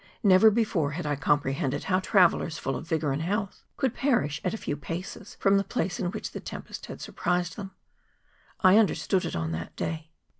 Never before had I comprehended how travellers full of vigour and health could perish at a few paces from the place in which the tempest had sur¬ prised them; I understood it on that day.